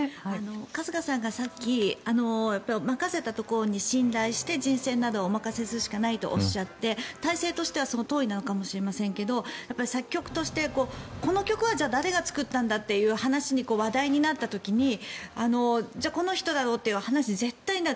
春日さんがさっき任せたところに信頼して人選などをお任せするしかないとおっしゃって、体制としてはそのとおりなのかもしれませんが作曲としてこの曲はじゃあ、誰が作ったんだという話題になった時にこの人だろうという話に絶対になる。